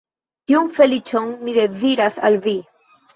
Tiun feliĉon mi deziras al vi.